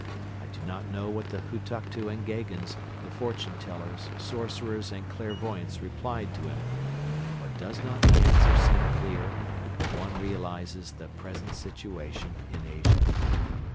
I do not know what the Hutuktu and Gheghens, the fortune tellers, sorcerers and clairvoyants replied to him; but does not the answer seem clear, if one realizes the present situation in Asia?